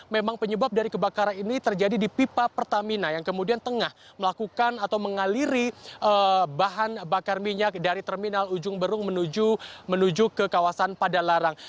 memang penyebab dari kebakaran ini terjadi di pipa pertamina yang kemudian tengah melakukan atau mengaliri bahan bakar minyak dari terminal ujung berung menuju ke kawasan padalarang